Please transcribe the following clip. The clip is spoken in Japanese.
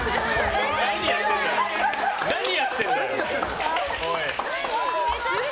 何やってんだよ。